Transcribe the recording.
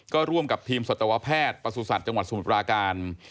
ก็ร่วมกับทีมศัตรวแพทย์ประสูจน์สัตว์จังหวัดสุมราการ